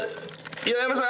岩山さん